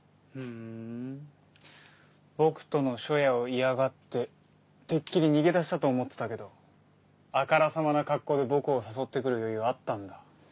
⁉ふん僕との初夜を嫌がっててっきり逃げ出したと思ってたけどあからさまな格好で僕を誘ってくる余裕あったんだ